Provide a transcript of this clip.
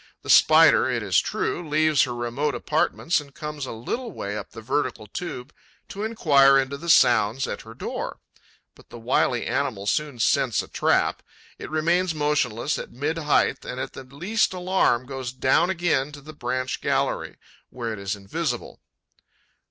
The Spider, it is true, leaves her remote apartments and comes a little way up the vertical tube to enquire into the sounds at her door; but the wily animal soon scents a trap; it remains motionless at mid height and, at the least alarm, goes down again to the branch gallery, where it is invisible.